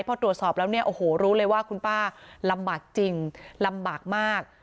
พอตรวจสอบแล้วเนี่ยโอ้โหรู้เลยว่าคุณป้าลำบากจริงลำบากมาก